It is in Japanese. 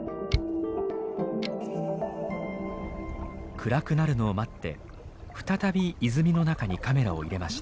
暗くなるのを待って再び泉の中にカメラを入れました。